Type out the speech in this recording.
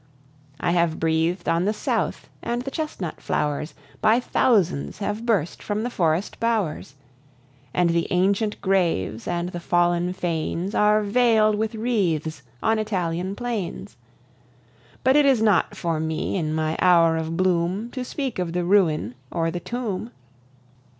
I have breathed on the South, and the chestnut flowers By thousands have burst from the forest bowers, And the ancient graves and the fallen fanes Are veiled with wreaths on Italian plains; But it is not for me, in my hour of bloom, To speak of the ruin or the tomb!